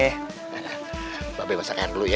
mbak be masakan dulu ya